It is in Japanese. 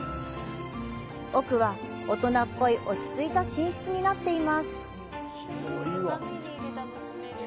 奥は、大人っぽい落ち着いた寝室になっています。